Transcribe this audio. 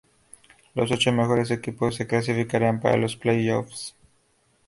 Los ocho mejores equipos se clasificarían para los playoffs.